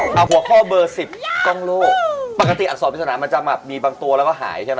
เขาหัวข้อเบอร์๑๐กล้องโลกปกติอักษรพิษนานมันจะมีบางตัวแล้วหายใช่ไหม